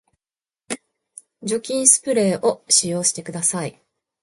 除菌スプレーを使用してください